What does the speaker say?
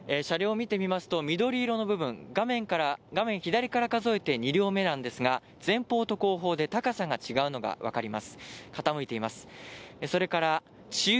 車両を見てみますと、緑色の部分、画面左から数えて２両目なんですが前方と後方で高さが違うのが分かります。